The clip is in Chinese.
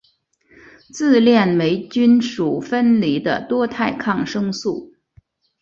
自链霉菌属分离的多肽抗生素。